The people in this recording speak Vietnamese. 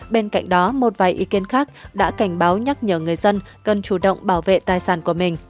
bên cạnh đó một vài ý kiến khác đã cảnh báo nhắc nhở người dân cần chủ động bảo vệ tài sản của mình